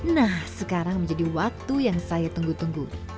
nah sekarang menjadi waktu yang saya tunggu tunggu